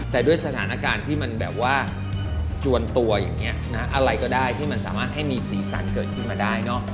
แต่ด้วยสถานการณ์ที่มันแบบว่าจวนตัวอย่างนี้อะไรก็ได้ที่มันสามารถให้มีสีสันเกิดขึ้นมาได้เนอะ